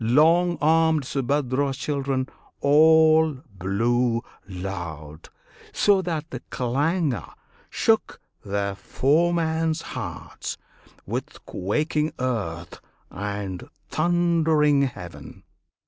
Long armed Subhadra's children, all blew loud, So that the clangour shook their foemen's hearts, With quaking earth and thundering heav'n.